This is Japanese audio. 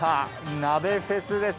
鍋フェスです。